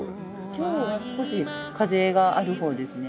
今日は少し風があるほうですね。